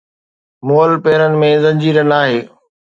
مئل پيرن ۾ زنجير ناهي